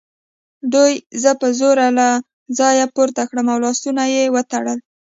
دوی زه په زور له ځایه پورته کړم او لاسونه یې وتړل